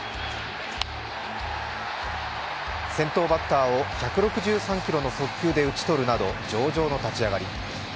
先頭バッターを１６３キロの速球で打ち取るなど上々の立ち上がり。